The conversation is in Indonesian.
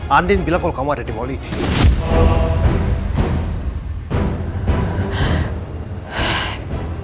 andin bilang kalau kamu ada di mall ini